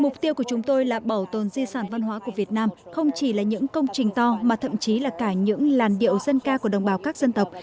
mục tiêu của chúng tôi là bảo tồn di sản văn hóa của việt nam không chỉ là những công trình to mà thậm chí là cả những làn điệu dân ca của đồng bào các dân tộc